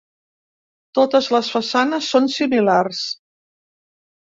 Totes les façanes són similars.